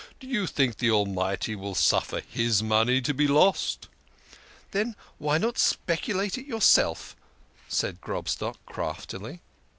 Do you think the Almighty will suffer His money to be lost?" "Then why not speculate yourself?" said Grobstock craftily.